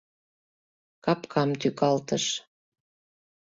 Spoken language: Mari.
Капкам тӱкалтыш.